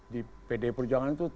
di pd perjuangan itu